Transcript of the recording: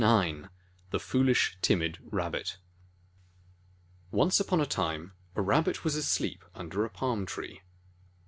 IX THE FOOLISH, TIMID RABBIT ONCE upon a time, a Rabbit was asleep under a palm tree.